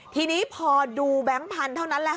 ทีนี้พอดูแบงค์พันธุ์เท่านั้นแหละ